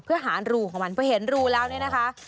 เพื่อหารูของมันเพราะเห็นรูแล้วเนี่ยนะคะ